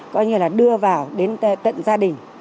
coi như là đưa vào đến tận gia đình